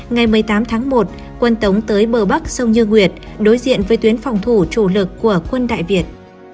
ngày một mươi tám tháng một quân tống tới bờ bắc sông như nguyệt đối diện với tuyến phòng thủ chủ lực của quân đại việt